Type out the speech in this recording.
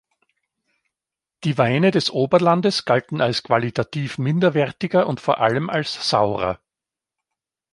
Die Weine des Oberlandes galten als qualitativ minderwertiger und vor allem als saurer.